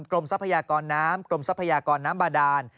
ทรัพยากรน้ำกรมทรัพยากรน้ำบาดาน